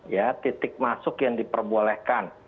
ya titik masuk yang diperbolehkan